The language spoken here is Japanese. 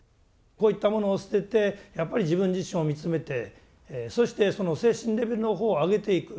こういったものを捨ててやっぱり自分自身を見つめてそしてその精神レベルのほうを上げていく。